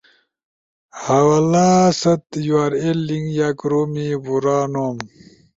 حوالہ ست یو آر ایل لنک یا کورومی پورا نوم۔